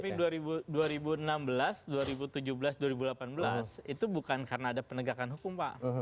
tapi dua ribu enam belas dua ribu tujuh belas dua ribu delapan belas itu bukan karena ada penegakan hukum pak